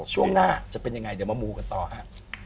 ช่วงหน้าจะเป็นยังไงเดี๋ยวมามูกันต่อฮะ